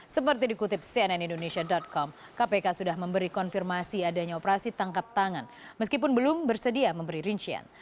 seperti dikutip cnn indonesia com kpk sudah memberi konfirmasi adanya operasi tangkap tangan meskipun belum bersedia memberi rincian